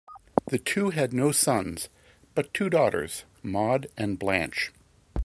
The two had no sons, but two daughters: Maud and Blanche.